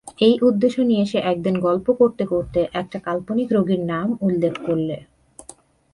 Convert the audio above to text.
এই উদেশ্য নিয়ে সে একদিন গল্প করতে করতে একটা কাল্পনিক রোগীর নাম উল্লেখ করলে।